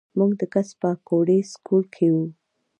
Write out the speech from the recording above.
مونږ د کس پاګوړۍ سکول کښې وو